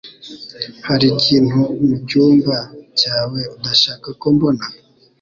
Hari ikintu mucyumba cyawe udashaka ko mbona?